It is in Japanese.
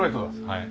はい。